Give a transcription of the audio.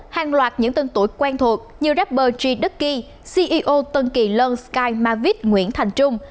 hàng loạt những tân tuổi quen thuộc như rapper g ducky ceo tân kỳ lân sky mavis nguyễn thành trung